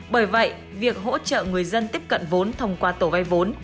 bởi vậy việc hỗ trợ người dân tiếp cận vốn thông qua tổ vay vốn